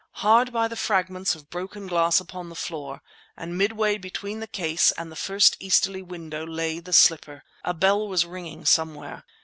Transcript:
Hard by the fragments of broken glass upon the floor and midway between the case and the first easterly window lay the slipper. A bell was ringing somewhere.